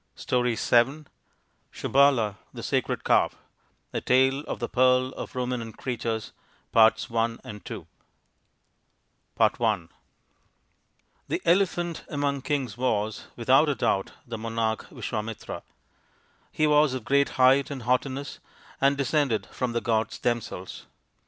STORY VII SABALA, THE SACRED COW A Tale of the Pearl of Ruminant Creatures SABALA, THE SACRED COW THE Elephant among Kings was, without a doubt, the monarch Visvamitra. He was of great height and haughtiness, and descended from the gods them selves.